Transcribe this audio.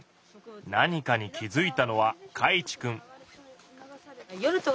何かに気付いたのはかいちくん。